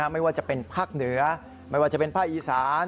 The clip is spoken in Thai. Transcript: ไม่ว่าจะเป็นภาคเหนือไม่ว่าจะเป็นภาคอีสาน